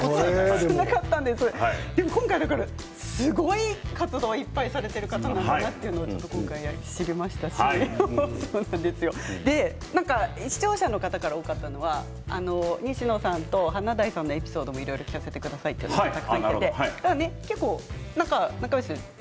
でも今回すごい活動いっぱいされてる方なんだなというのも知りましたし視聴者の方から多かったのは西野さんと華大さんのエピソードを聞かせてくださいというのもたくさんいただいています。